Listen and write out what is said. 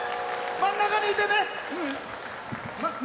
真ん中にいてね！